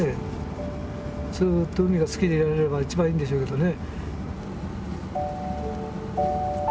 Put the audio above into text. ずっと海が好きでいられれば一番いいんでしょうけどね。